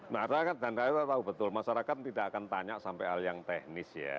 nah ada dan rakyat tahu betul masyarakat tidak akan tanya sampai hal yang teknis ya